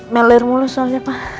melir mulu soalnya pak